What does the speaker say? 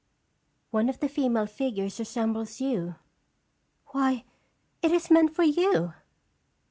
" One of the female figures resembles you why, it is meant for you